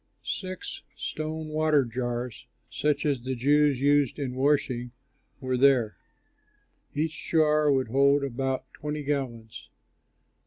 Six stone water jars (such as the Jews used in washing) were there; each jar would hold about twenty gallons.